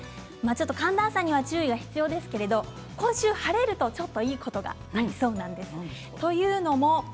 寒暖差には注意が必要ですが今週、晴れるとちょっといいことがありそうです。